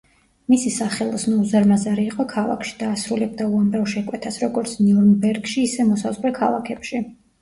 მისი სახელოსნო უზარმაზარი იყო ქალაქში და ასრულებდა უამრავ შეკვეთას როგორც ნიურნბერგში ისე მოსაზღვრე ქალაქებში.